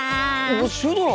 おっシュドラ！